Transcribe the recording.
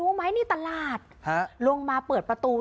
รู้ไหมนี่ตลาดลงมาเปิดประตู